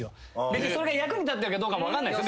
別にそれが役に立ってるかどうかも分かんないっすよ。